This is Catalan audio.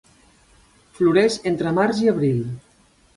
Floreix entre març i abril.